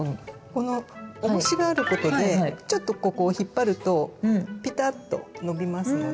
このおもしがあることでちょっとここを引っ張るとピタッとのびますので。